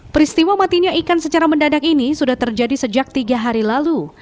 peristiwa matinya ikan secara mendadak ini sudah terjadi sejak tiga hari lalu